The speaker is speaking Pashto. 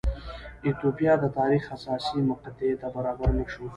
ایتوپیا د تاریخ حساسې مقطعې ته برابر نه شو.